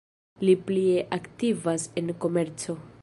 Li plie aktivas en komerco.